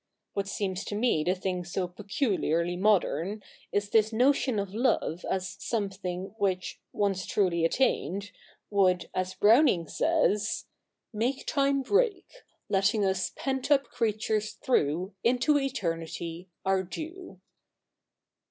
What seems to me the thing so peculiarly modern, is this notion of love as something which, once truly attained, would, as Browning says, 214 THE NEW REPUBLIC [bk. iv make Time break, Letting us pent up creatures through Into Eternity, our due.